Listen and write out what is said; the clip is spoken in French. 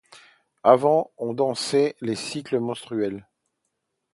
Avant, on dansait les cycles menstruels.